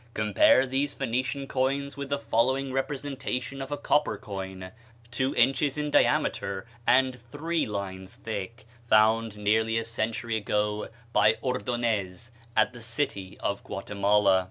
COIN FROM CENTRAL AMERICA Compare these Phoenician coins with the following representation of a copper coin, two inches in diameter and three lines thick, found nearly a century ago by Ordonez, at the city of Guatemala.